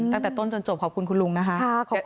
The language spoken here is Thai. ตั้งแต่ต้นจนจบขอบคุณคุณลุงนะคะ